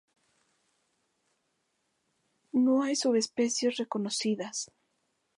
No hay subespecies reconocidas.